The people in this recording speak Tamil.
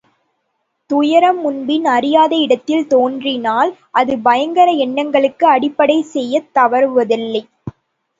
துயரம் முன்பின் அறியாத இடத்தில் தோன்றினால், அது பயங்கர எண்ணங்களுக்கு அடிப்படை செய்யத் தவறுவதில்லை.